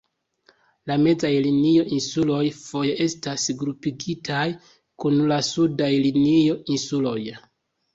La Mezaj Linio-Insuloj foje estas grupigitaj kun la Sudaj Linio-Insuloj.